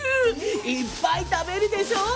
いっぱい食べるでしょう！